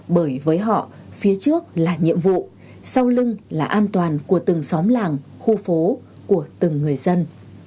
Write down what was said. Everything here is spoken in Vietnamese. bởi với họ phía trước là nhiệm vụ sau lưng là an toàn của từng xóm làng khu phố của từng người dân